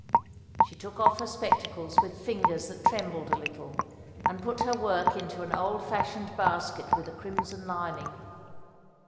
She took off her spectacles with fingers that trembled a little, and put her work into an old fashioned basket with a crimson lining.